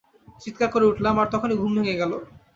চিৎকার করে উঠলাম, আর তখনই ঘুম ভেঙে গেল।